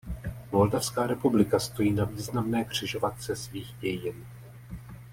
Moldavská republika stojí na významné křižovatce svých dějin.